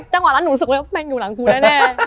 จังหวะนั้นหนูรู้สึกว่าแมงอยู่หลังกูแน่